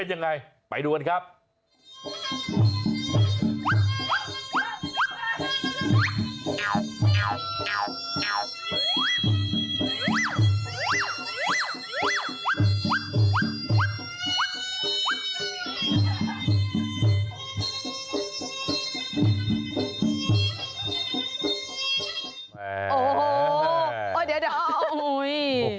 โอ้โฮเดี๋ยวโอ้ยมาดี